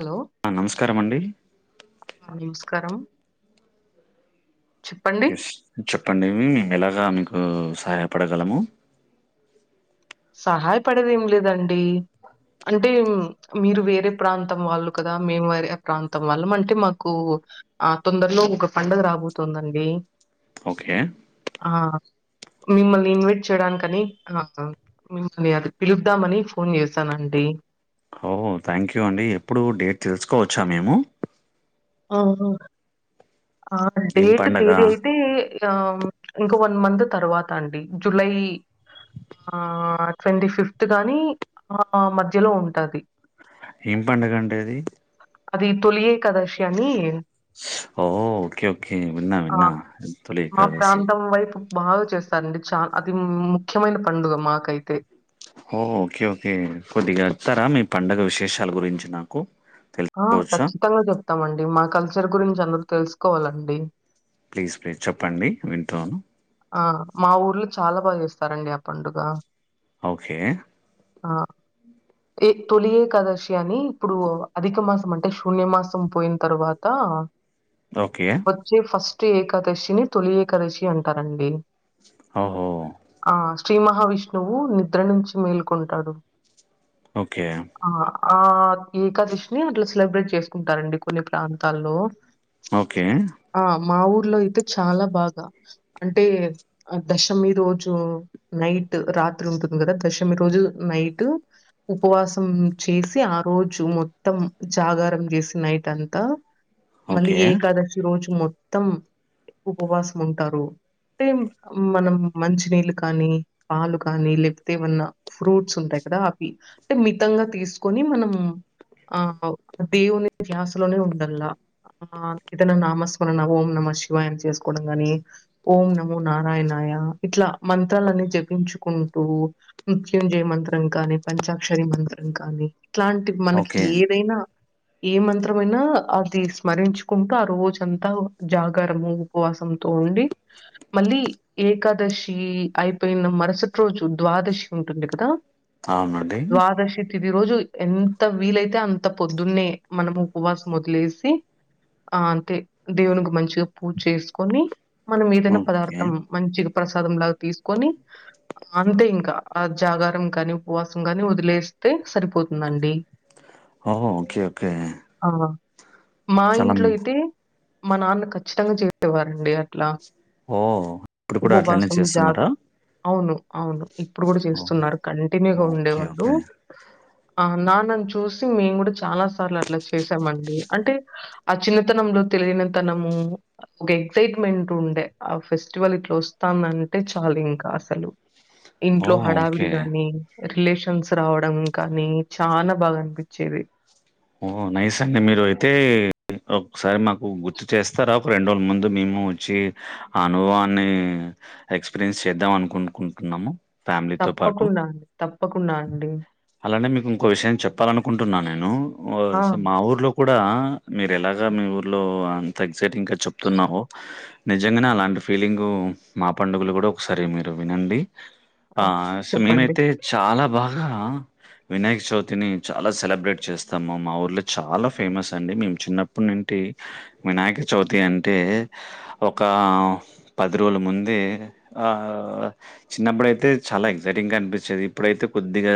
Hello ఆ నమస్కారమండి నమస్కారం చెప్పండి. ఎస్ చెప్పండి మేము ఎలాగా మీకు సహాయపడగలము సహాయపడేది ఏం లేదండి అంటే మీరు వేరే ప్రాంతం ప్రాంతం వాళ్ళు కదా మేము వేరే ప్రాంతం వాళ్ళం అంటే మాకు ఆ తొందరలో ఒక పండగ రాబోతుందండి ఓకే ఆ మిమ్మల్ని ఇన్వైట్ చేయడానికని నా మిమ్మల్ని అది పిలుదామని ఫోన్ చేసానండి అ ఓ థ్యాంక్ యూ అండి ఎప్పుడు డేట్ తెలుసుకోవచ్చా మేము ఆ ఆ ఏం డేట్ పండగ తేది అయితే ఆ ఇంకా వన్ మంత్ తర్వాత అండి జులై ఆ ట్వంటీ ఫిఫ్త్ గాని ఆ మధ్యలో ఉంటది ఏం పండగ అండి అది అది తొలి ఏకాదశి అని ఓ ఓకే ఓకే విన్నా ఆ! విన్నా తొలి ఏకాదశి మా ప్రాంతం వైపు బాగా చేస్తారండి చాల అది ముఖ్యమైన పండుగ మాకైతే ఓ ఓకే ఓకే కొద్దిగా చెప్తారా మీ పండుగ విశేషాల గురించి నాకు ఆ తెలుసుకోవచ్చా ఖచ్చితంగా చెప్తామండి మా కల్చర్ గురించి అందరు తెలుసుకోవాలండి ప్లీజ్ ప్లీజ్ చెప్పండి వింటాను ఆ మా ఊర్లో చాలా బాగా చేస్తారండి ఆ పండుగ ఓకే ఆ ఏ తొలి ఏకాదశి అని ఇప్పుడు అధిక మాసం అంటే శూన్య మాసం పోయిన తర్వాత ఓకే వచ్చే ఫస్ట్ ఏకాదశిని తొలి ఏకాదశి అంటారండి ఓహో ఆ శ్రీ మహావిష్ణువు నిద్ర నుంచి మేల్కొంటాడు ఓకే ఆ ఆ ఏకాదశిని అట్లా సెలబ్రేట్ చేసుకుంటారండి కొన్ని ప్రాంతాల్లో ఓకే ఆ మా ఊర్లో అయితే చాలా బాగా అంటే ఆ దశమి రోజు నైట్ రాత్రి ఉంటుంది కదా దశమి రోజు నైట్ ఉపవాసం చేసి ఆ రోజు మొత్తం జాగారం చేసి నైట్ అంతా మళ్ళీ ఓకే ఏకాదశి రోజు మొత్తం ఉపవాసం ఉంటారు అంటే మనం మంచినీళ్ళు కానీ పాలు కానీ లేకపోతే ఏమన్నా ఫ్రూట్స్ ఉంటాయి కదా ఆపి అంటే మితంగా తీసుకొని మనం అహోదేవుని ధ్యాసులోనే ఉండల్లా ఆ ఇతను నామస్మరణ ఓం నమ శివాయ చేసుకోవడం గాని ఓం నమో నారాయణాయ ఇట్లా మంత్రాలన్నీ జపించుకుంటూ మృత్యుంజయ మంత్రం కానీ పంచాక్షరి మంత్రం కానీ ఇట్లాంటి మనకి ఓకే ఏదైనా ఏ మంత్రంమయినా అది స్మరించుకుంటూ ఆ రోజంతా జాగరము ఉపవాసంతో ఉండి మళ్ళీ ఏకాదశి అయిపోయిన మరుసటి రోజు ద్వాదశి ఉంటుంది కదా అవునండి ద్వాదశీ ఇది రోజు ఎంత వీలైతే అంత పొద్దున్నే మనము ఉపవాసం మొదిలేసి ఆ అంటే దేవునికి మంచిగా పూజ చేసుకొని మనం ఏదైనా ఓకే. పదార్థం మంచిగా ప్రసాదం లాగా తీసుకొని అంతే ఇంకా ఆ జాగారం గాని ఉపవాసం గాని వదిలేస్తే సరిపోతుందండి ఓహో ఓకే ఓకే ఆ మా చాలా మ్ ఇంట్లో అయితే మా నాన్న ఖచ్చితంగా చేసేవారండి అట్లా ఓ ఉపవాసం జాగా అవును అవును ఇప్పుడు కూడా ఓహ్! చేస్తున్నారు కంటిన్యూగా ఓకే. ఉండేవాళ్ళు ఓకే. ఆ నాన్నని చూసి మేము కూడా చాలా సార్లు అట్లా చేసామండి అంటే ఆ చిన్నతనంలో తెలియనితనము ఒక ఎక్సైట్మెంట్ ఉండే ఆ ఫెస్టివల్ ఇట్లా వస్తాందంటే చాలు ఇంకా అసలు ఇంట్లో ఓహ్! హడావిడి ఓకే. గాని రిలేషన్స్ రావడం కానీ చాలా బాగా అనిపించేది ఓ నైస్ అండి మీరు అయితే ఒకసారి మాకు గుర్తు చేస్తారా ఒక రెండు రోజుల ముందు మేము చ్చి ఆ అనుభవాన్ని ఎక్స్పీరియన్స్ చేద్దాం అనుకున్ కుంటున్నాము తప్పకుండా తప్పకుండా అండి అలానే మీకు ఇంకో విషయం చెప్పాలనుకుంటున్నా నేను ఆ! మా ఊర్లో కూడా మీరు ఎలాగా మీ ఊర్లో అంత ఎక్సైటింగ్ గా చెప్తున్నావో నిజంగానే అలాంటి ఫీలింగు మా పండుగలు కూడా ఒకసారి మీరు వినండి ఆ సమయం అయితే చాలా బాగా వినాయక చవితిని చాలా సెలబ్రేట్ చేస్తాము మా ఊర్లో చాలా ఫేమస్ అండి మేము చిన్నప్పటి నుండి వినాయక చవితి అంటే ఒక పది రోజుల ముందే ఆ చిన్నప్పుడయితే చాలా ఎక్సైటింగ్ గా అనిపించేది ఇప్పుడైతే కొద్దిగా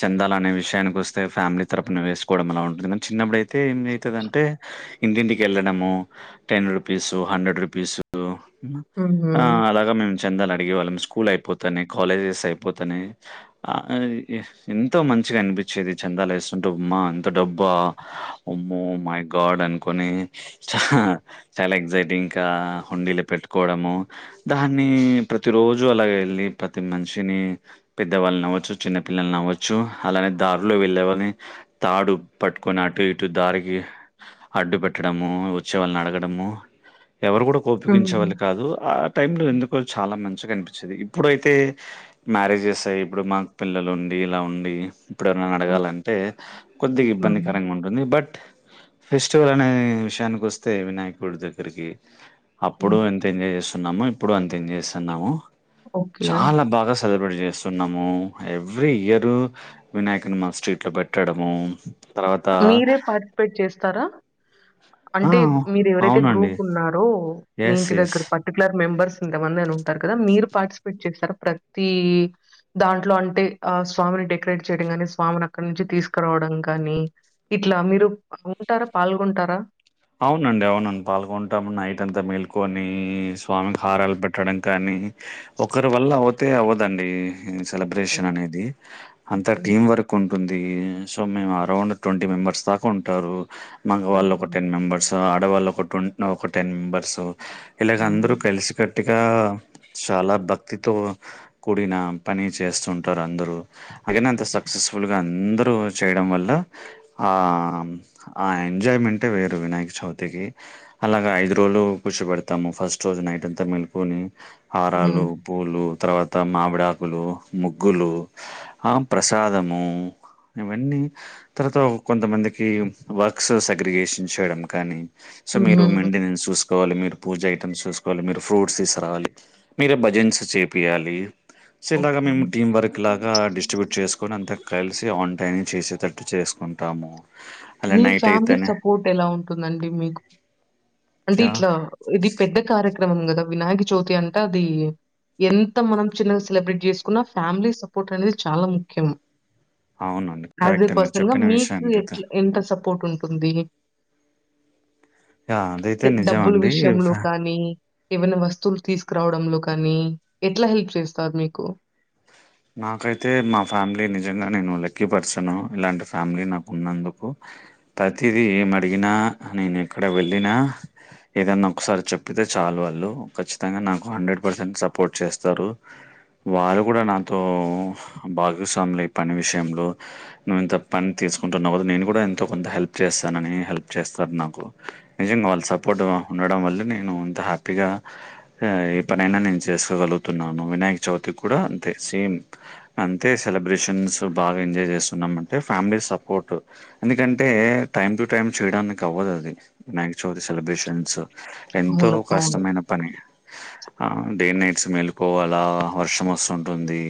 చెందాలనే విషయానికి వస్తే ఫ్యామిలీ తరపున వేసుకోవడం అలా ఉంటుంది కానీ చిన్నప్పుడు అయితే ఏం అవుతుందంటే ఇంటింటికి వెళ్ళడము టెన్ రుపీసు హండ్రెడ్ రుపీసు హుహు. ఆ అలాగే ఇగ మేము చెందాలు అడిగేవాళ్ళం స్కూల్ అయిపోతానే కాలేజెస్ అయిపోతానే ఆ ఇ ఆ ఎంతో మంచిగా అనిపించేది చందాలు వేస్తుంటే అమ్మా ఎంత డబ్బా అమ్మో మై గాడ్ అని కొని చా చాలా ఎక్సైటింగ్ గా హుండీలు పెట్టుకోవడము దాన్ని ప్రతి రోజు అలాగ వెళ్ళి ప్రతి మనిషిని పెద్దవాళ్ళని కావొచ్చు చిన్న పిల్లలు కావ్వచ్చు చ్చు అలానే దారిలో వెళ్ళే వాని తాడు పట్టుకొని అటు ఇటు దారికి అడ్డు పెట్టడము వచ్చే వాళ్ళని అడగడము ఎవరు కూడా కోపగించే హ్మ్. వాళ్ళు కాదు ఆ టైంలో ఎందుకో చాలా మంచిగా అనిపించేది ఇప్పుడైతే మ్యారేజెస్ అయి ఇప్పుడు మాకు పిల్లలు ఉండి ఇలా అవును ఉండి ఇప్పుడు ఎవరినన్న అడగాలంటే కొద్దిగా హ్మ్. ఇబ్బందికరంగా ఉంది బట్ ఫెస్టివల్ అనే విషయానికి వస్తే వినాయకుడి దగ్గరికి. అప్పుడు హ్మ్. అంత ఎంజాయ్ చేస్తున్నాము ఇప్పుడు అంత ఎంజాయ్ చేస్తున్నాము. ఓకే. చాలా బాగా సెలబ్రేట్ చేస్తున్నాము ఎవ్రీ ఇయర్ వినాయకుని మా స్ట్రీట్ లో పెట్టడము తర్వాత మీరే పార్టిసిపేట్ చేస్తారా ఆ అంటే మీరు ఎవరైతే అవునండి గ్రూప్ ఉన్నారో మీ ఎస్ ఇంటి ఎస్ దగ్గర ప పర్టికలర్ మెంబర్స్ ఇంతమంది అని ఉంటారు కదా మీరు పార్టిసిపేట్ చేస్తారు ప్రతి దాంట్లో అంటే ఆ స్వామిని డెకరేట్ చేయడం కానీ స్వామిని అక్కడ నుంచి తీసుకురావడం గాని ఇట్లా మీరు ఉంటారా పాల్గొంటారా అవునండి అవునండి పాల్గొంటాము నైట్ అంతా మేల్కొని స్వామికి ఆ! హారాలు పెట్టడానికి. కానీ ఒకరి వల్ల అవుతే అవ్వడండి ఈ ఓకే. సెలబ్రేషన్ అనేది అంత ఓకే. టీం వర్క్ కుంటుంది సో మేము అరౌండ్ ట్వంటీ మెంబర్స్ దాకా ఉంటారు మంగళ వాళ్ళు ఒక ఓహో! టెన్ మెంబర్స్ ఆడవాళ్ళు ఒకటి ట్వ ఒక టెన్ మెంబర్స్ ఇలాగ ఆహా! అందరు కలిసి కట్టుగా చాలా భక్తితో కూడిన పని చేస్తుంటారు అందరూ అయిన అంత సక్సెస్ఫుల్ గా అందరు చేయడం వల్ల ఆ ఆ ఎంజాయిమెంట్ వేరు వినాయక చవితికి అలాగ ఐదు రోజులు కూర్చో పెడతాము ఫస్ట్ రోజు నైట్ అంతా మెలుకొని హారాలు. హ్మ్. పూలు తర్వాత మామిడాకులు ముగ్గులు. ఆ ప్రసాదము ఇవన్నీ తర్వాత కొంతమందికి వర్క్స్ సగ్రిగేషన్ చేయడం కానీ సో మీరు హుహు. మెంటనెన్స్ చూసు సుకోవాలి మీరు పూజ ఐటమ్స్ చూసుకోవాలి మీరు ఫ్రూట్స్ తీసురావాలి మీరే భజన్స్ చేపియాలి సేమ్ లాగ ఓకే. మేము టీమ్ వర్కు ఇలాగా డిస్ట్రిబ్యూట్ చేసుకొని అంత కలిసి ఆన్ టైమ్ చేసేటట్టు చేసుకుంటాము. అలా మీ నైట్ ఫ్యామిలీ అయితేనే సపోర్ట్ ఎలా ఉంటుందండి మీకు అంటే యా ఇట్లా ఇది పెద్ద కార్యక్రమం కదా వినాయక చవితి అంటే అది ఎంత మనం చిన్నగా సెలబ్రేట్ చేసుకున్నా ఫ్యామిలీ సపోర్ట్ అనేది చాలా ముఖ్యం అవునండి యాస్ ఎ కరెక్టే మీరు పర్సన్ గా చెప్పిన మీకు విషయం అయితే ఎట్లా ఎంత సపోర్ట్ ఉంటుంది యా అదైతే నిజం డబ్బులు విషయంలో అండి. కానీ ఏవైనా వస్తువులు తీసుకురావడంలో కానీ ఎట్ల హెల్ప్ చేస్తారు మీకు నాకైతే మా ఫ్యామిలీ నిజంగా నేను లక్కీ పర్సను ఇలాంటి ఫ్యామిలీ నాకు ఉన్నందుకు ప్రతిదీ ఏం అడిగినా నేను ఎక్కడ వెళ్ళినా ఏదన్న ఒకసారి చెప్పితే చాలు వాళ్ళు ఖచ్చితంగా నాకు హండ్రెడ్ పర్సెంట్ సపోర్ట్ చేస్తారు వాళ్ళు కూడా నాతో భాగస్వాములు ఈ పని విషయంలో నువ్వు ఇంత పని తీసుకుంటున్నావు కదా నేను కూడా ఎంతో కొంత హెల్ప్ చేస్తానని హెల్ప్ చేస్తారు నాకు నిజంగా వాళ్ళ సపోర్ట్ ఉండడం వల్లే నేను ఇంత హ్యాపీగా ఆ ఏ పనైనా నేను చేసుకోగలుగుతున్నాను వినాయక చవితి కూడా అంతే సేమ్ అంతే సెలబ్రేషన్స్ బాగా ఎంజాయ్ చేస్తున్నాం అంటే ఫ్యామిలీ సపోర్ట్ ఎందుకంటే టైమ్ టు టైమ్ చేయడానికి అవ్వదు అది వినాయకచవితి సెలబ్రేషన్స్ ఎంతో అవును. అవును. కష్టమైన పని ఆ డే నైట్స్ మేలిపోవాల వర్షం వస్తున్ టుంది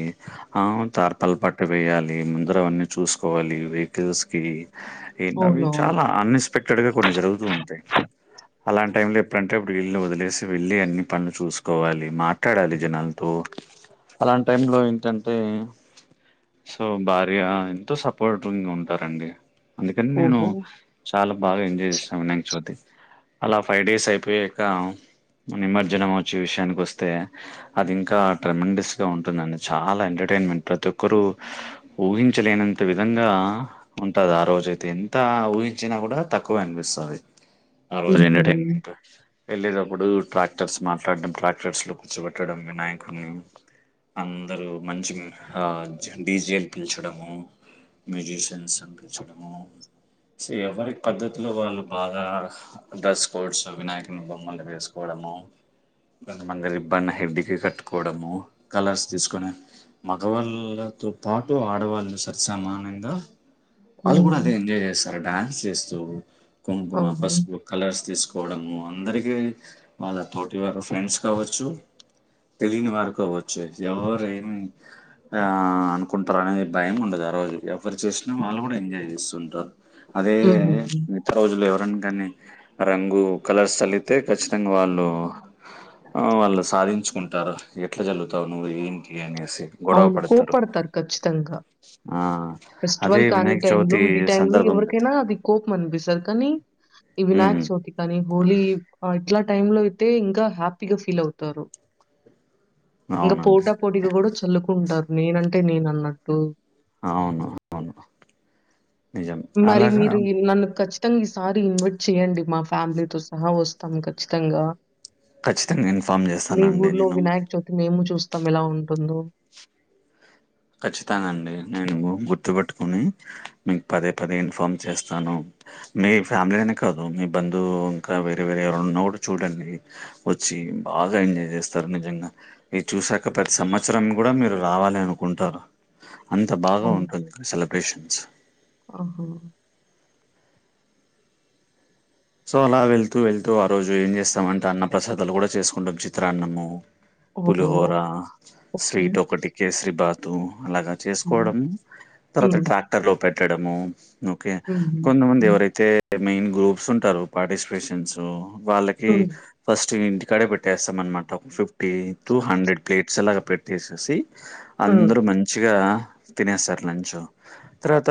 అవును తార్పాల పట్టు వెయ్యాలి ముందర అవన్నీ చూసుకోవాలి వెహికల్స్ కి ఏంటి అవి అవునవును. చాలా అన్ఎక్స్పెక్టెడ్ గా కొన్ని జరుగుతూ ఉంటాయి అలాంటి టైం లో ఎప్పుడంటే అప్పుడు ఇల్లు వదిలేసి వెళ్ళి అన్ని పనులు చూసుకోవాలి మా ట్లాడాలి జనాలతో అలాంటి టైం లో ఏంటంటే సో భార్య ఎంతో సపోర్టిగ ఉంటారండి అందుకని నేను ఓహో! చాలా బాగా ఎంజాయ్ చేస్తాం వినాయక చవితి అలా ఫైవ్ డేస్ అయిపోయాక నిమజ్జనం వచ్చి విషయానికి వస్తే అది ఇంకా ట్రెమిస్ గా ఉంటుందండి చాలా ఎంటర్టైన్మెంట్ ప్రతి ఒక్కరు ఊహించలేనంత విధంగా ఉంటది ఆ రోజు అయితే ఎంత ఊహించినా కూడా తక్కువె అనిపిస్తది ఆ రోజు హుహు. ఎంటర్టైన్మెంట్ వెళ్ళేటప్పుడు ట్రాక్టర్స్ మాట్లాడడం ట్రాక్టర్స్ లో కూర్చోబెట్టడం వినాయకున్నీ అందరుూ మంచి ఆ జండేస్జి పిల్చడము మ్యూజిషియన్స్ నీ పిలచడము సీ ఎవరి పద్ధతిలో వాళ్ళు బాగా డ్రెస్ కోడ్స్ వినాయకుని బొమ్మలు వేసుకోవడము కొంతమంది రిబ్బన్ హెడ్డికి కట్టుకోవడము కలర్స్ తీసుకొని మగవాళ్ళతో పాటు ఆడవాళ్ళు సరి సమానంగా వాళ్ళు కూడా అదే హ్మ్. ఎంజాయ్ చేస్తారు డాన్స్ చేస్తూ కుంకుమ అవును. పసుపు కలర్స్ తీసుకోవడము అందరికిీ వాళ్ళ తోటి వారు ఫ్రెండ్స్ కావచ్చు తెలియని వారు కావచ్చు ఎవరు ఏమి ఆ అనుకుంటున్నా భయం ఉండదు ఆ రోజు ఎవరు చూసినా వాళ్ళు కూడా ఎంజాయ్ చేస్తుంటారు అదే హుహు. మిగత రోజులు ఎవరైనా కానీ రంగు కలర్స్ చలి తే ఖచ్చితంగా వాళ్ళు వాళ్ళు సాధించుకుంటారు ఎట్ల జల్లు తావు ఏంటి అనేసి గొడవ అవును పడతారు. కోపడతారు ఖచ్చితంగా ఆ అదే ఫెస్టివల్ కాని వినాయక టైం లో చవితి ఈ టైం లో సందర్భంలో ఎవరికైనా అది కోపమనిపిస్తాది కానీ ఈ వినాయక ఉమ్ చవితి కానీ హోలీ ఇట్లా టైమ్ లో అయితే ఇంకా హ్యాపీగా ఫీల్ అవుతారు ఇంకా అవునండి పోట పోటీగ కూడా చల్లుకుంటారు నేనంటే నేను అన్నట్టు అవును అవును నిజం మరి అలాగా మీరు నిన్ నన్ కచ్ మొత్తంగా ఈసారి ఇన్వైట్ చేయండి మా ఫ్యామిలీతో సహా వస్తాం ఖచ్చితంగా ఖచ్చితంగా ఇన్ఫామ్ మీ చేస్తానండి ఊర్లో నేను వినాయక చవితి మేము చూస్తాం ఎలా ఉంటుందో ఖచ్చితంగాండి నేను గుర్తుపెట్టుకుని మీకు పదే పదే ఇన్ఫామ్ చేస్తాను మీ ఫ్యామిలీ అనే కాదు మీ బంధువు ఇంకా వేరే వేరే ఎవరన్న ఉన్న చూడండి వచ్చి బాగా ఎంజాయ్ చేస్తారు నిజంగా ఇ చూసాక ప్రతి సంవత్సరం కూడా మీరు రావాలను కుంటారు అంత బాగా ఉంటుంది సెలబ్రేషన్స్ ఆహో సో అలా వెళ్తూ వెళ్తూ ఆ రోజు ఏం చేస్తాం అంట అన్న ప్రసాదాలు కూడా చేసుకుంటాం చిత్రాన్నము ఓహో! పులిహోర ఓకే. స్వీట్ ఒకటి కేసరి బాతు అలాగా ఆ! చేసుకోవడము తర్వాత హ్మ్. ట్రాక్టర్ లో పెట్టడము ఓకే హుహు. కొంతమంది హ్మ్. ఎవరైతే మెయిన్ గ్రూప్స్ ఉంటారు పార్టిసిపేషన్స్ వాళ్ళ కి హ్మ్. ఫస్ట్ ఇంటికడే పెట్టేస్తాం అనమాట ఫిఫ్టీ టూ హండ్రెడ్ ప్లేట్స్ లా పె తీసేసి హ్మ్. అందరు మంచిగా తినేస్తారు లంచ్ తర్వాత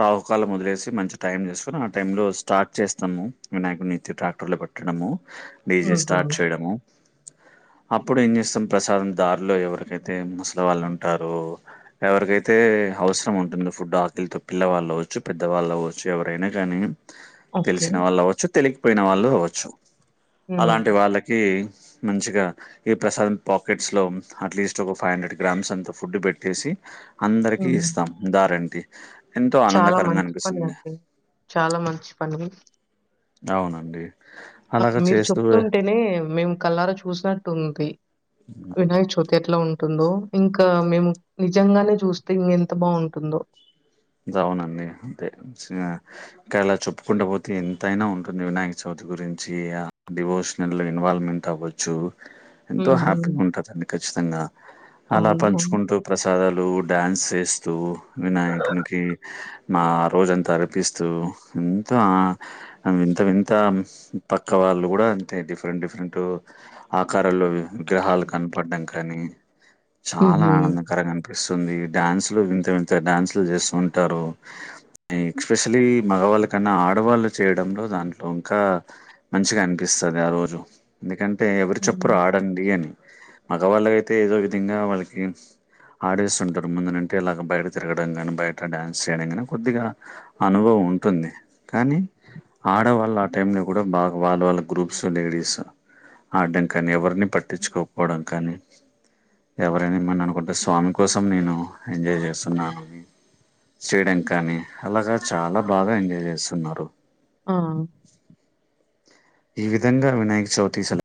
రాహుకాలం వదిలేసి మంచి టైం చుసుకుని ఆ టైమ్ లో స్టార్ట్ చేస్తాము వినాయకుడిని ఎత్తి ట్రాక్టర్ లో పెట్టడము డీజే స్టార్ట్ హుహు. చేయడము అప్పుడు ఏం చేస్తాం ప్రసాదం దారిలో ఎవరికైతే ముసలి వాళ్ళు ఉంటారో ఎవరికైతే అవసరం ఉంటుందో ఫుడ్ ఆకలితో పిల్లవాళ్ళవచ్చు పెద్దవాళ్ళువచ్చు ఎవరైనా కానీ ఓకే. తెలిసిన వాళ్ళు అవ్వచ్చు తెలికపోయిన వాళ్ళు అవచ్చు హ్మ్. అలాంటి వాళ్ళకి మంచిగా ఈ ప్రసాదం పాకెట్స్ లో అట్లీస్ట్ ఒక ఫైవ్ హండ్రెడ్ గ్రామ్స్ అంతా ఫుడ్ పెట్టేసి అందరికీ హ్మ్. ఇస్తాం దారంటి ఎంతో చాలా ఆనందకరంగా మంచి పని అనిపిస్తుంది అండి. చాలా మంచి పని అవునండి ఆ అలాగా మీరు చేస్తూ చెప్తుంటేనే మేము కళ్లార చూసినట్టు ఉంది వినాయక చవితి ఎట్ల ఉంటుందో ఇంకా మేము నిజంగానే చూస్తే ఇంగెంత బాగుంటుందో జవునండి అంటే చ ఇంక అలా చెప్పుకుంట పోతే ఎంతైనా ఉంటుంది వినాయక చవితి గురించి ఆ డివోషన్ దాంట్లో ఇన్వాల్వ్మెంట్ అవ్వచ్చు ఎంతో హుహు. హ్యాపీగా ఉంటుందండి ఖచ్చితంగా అలా అవును. అవును. పంచుకుంటూ ప్రసాదాలు డ్యాన్స్ చేస్తూ వినాయకునికి మా రోజంతా అనిపిస్తూ ఎంతో వింత వింత పక్క వాళ్ళు కూడా అంటే డిఫరెంట్ డిఫరెంట్ ఆకారంలో విగ్రహాలు కనపడడం కానీ చాలా హుహు. ఆనందకరంగా అనిపిస్తుంది డ్యాన్సు లు వింత వింత డ్యాన్సులు చేస్తు ఉంటారు ఎక్స్పెషలీ మగవాళ్ళకన్నా ఆడవాళ్ళు చేయడంలో దాంట్లో ఇంకా మంచిగా అనిపిస్తది ఆ రోజు ఎందుకంటే ఎవరు చప్పురు హ్మ్. ఆడండి అని మగవాళ్ళయితే ఏదో విధంగా వాళ్ళకి ఆడేస్తుంటారు ముందనంటే ఇలాగా బయట తిరగ చూడడం కానీ బయట డాన్స్ చేయడం కానీ కొద్దిగా అనుభవం ఉంటుంది కానీ ఆడవాళ్ళు ఆ టైమ్ లో కూడా బాగా వాళ్ళ వాళ్ళ గ్రూప్స్ లేడీస్ ఆడడం కానీ ఎవరిని పట్టించుకోకపోవడం కానీ ఎవరైనా ఏమైన అనుకుంటే స్వామి కోసం నేను ఎంజాయ్ చేస్తున్నాను చేయడా కానీ అలాగా చాలా బాగా ఎంజాయ్ చేస్తున్నారు ఆ ఈ విధంగా వినాయక్ చవితి